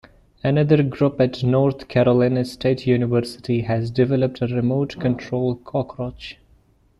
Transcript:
Another group at North Carolina State University has developed a remote control cockroach.